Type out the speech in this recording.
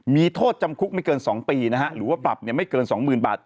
มีโทษจำคุกไม่เกิน๒ปีนะฮะหรือว่าปรับไม่เกิน๒๐๐๐บาท